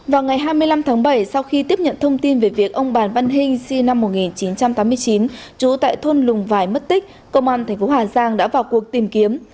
vào ngày hai mươi năm tháng bảy sau khi tiếp nhận thông tin về việc ông bàn văn hinh sinh năm một nghìn chín trăm tám mươi chín trú tại thôn lùng vài mất tích công an tp hà giang đã vào cuộc tìm kiếm